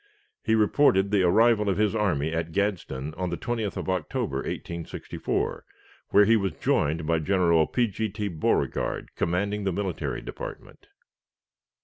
He reported the arrival of his army at Gadsden on the 20th of October, 1864, where he was joined by General P. G. T. Beauregard, commanding the military department.